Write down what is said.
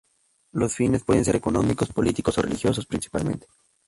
Los fines pueden ser económicos, políticos o religiosos principalmente.